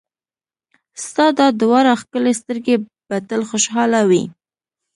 ستا دا دواړه ښکلې سترګې به تل خوشحاله وي.